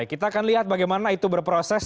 kita akan lihat bagaimana itu berproses